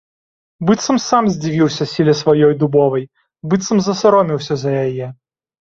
Быццам сам здзівіўся сіле сваёй дубовай, быццам засаромеўся за яе.